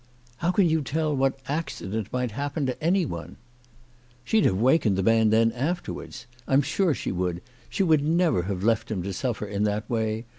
" How can you tell what accident might happen to anyone ?"" She'd have wakened the man then afterwards. I'm sure she would. She would never have left him to suffer in that way.